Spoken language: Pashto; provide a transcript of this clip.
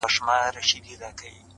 وخت د ژمنو ازموینه کوي،